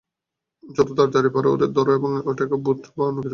যত তাড়াতাড়ি পারো ওদের ধরো, ওরা এটাকে ভূত বা অন্য কিছু বলছে।